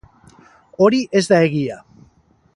Hori ez da egia.